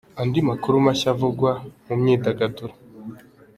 Andi makuru mashya avugwa mu myidagaduro.